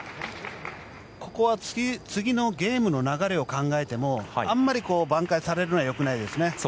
ここは次のゲームの流れを考えてもあんまり挽回されるのは良くないですね。